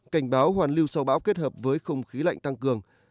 cảnh báo hoàn lưu sau bão kết hợp với không khí lạnh tăng cường